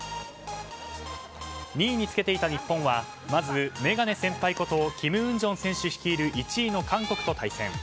２位につけていた日本はまず眼鏡先輩ことキム・ウンジョン選手率いる１位の韓国と対戦。